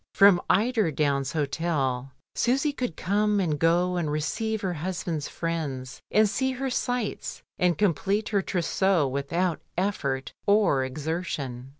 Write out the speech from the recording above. From Eiderdown's Hotel Susy could come and go and receive her husband's friends, and see her sights, and complete her trousseau with out effort or exertion.